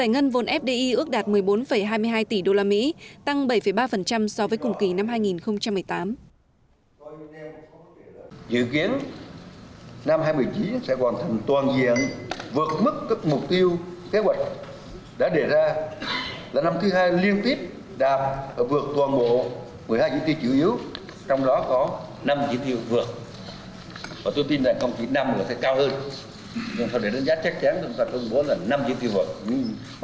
giải ngân vốn fdi ước đạt một mươi bốn hai mươi hai tỷ usd tăng bảy ba so với cùng kỳ năm hai nghìn một mươi tám